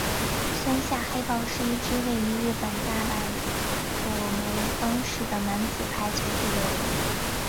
松下黑豹是一支位于日本大阪府枚方市的男子排球俱乐部。